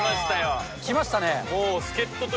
来ましたね。